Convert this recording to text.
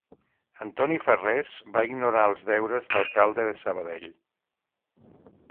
Antoni Farrés va ignorar els deures d'alcalde de Sabadell.